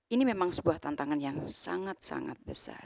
ini memang sebuah tantangan yang sangat sangat besar